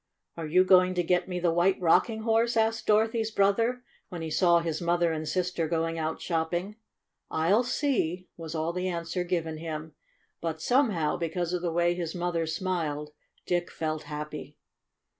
"Are you going to get me the White Rocking Horse?'' asked Dorothy's broth er, when he saw his mother and sister go ing out shopping. "I'll see," was all the answer given him, but, somehow, because of the way his mother smiled, Dick felt happy.